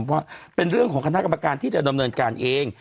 เพราะเป็นเรื่องของคณะกรรมการที่จะดำเนินการเอง